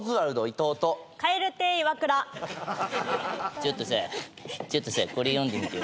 ちょっとさちょっとさこれ読んでみてよ。